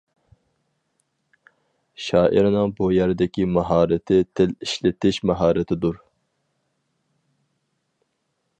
شائىرنىڭ بۇ يەردىكى ماھارىتى تىل ئىشلىتىش ماھارىتىدۇر.